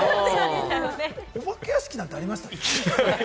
お化け屋敷なんてありましたっけ？